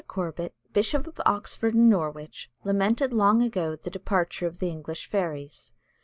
Corbett, Bishop of Oxford and Norwich, lamented long ago the departure of the English fairies.